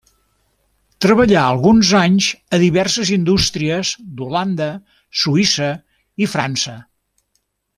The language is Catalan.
Treballà alguns anys a diverses indústries d'Holanda, Suïssa i França.